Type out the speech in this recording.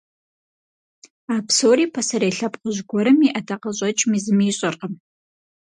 А псори пасэрей лъэпкъыжь гуэрым и ӀэдакъэщӀэкӀми зыми ищӀэркъым.